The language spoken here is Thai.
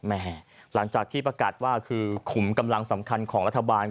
หลังจากที่ประกาศว่าคือขุมกำลังสำคัญของรัฐบาล